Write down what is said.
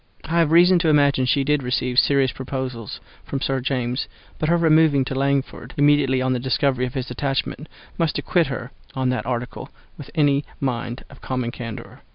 I have reason to imagine she did receive serious proposals from Sir James, but her removing from Langford immediately on the discovery of his attachment, must acquit her on that article with any mind of common candour.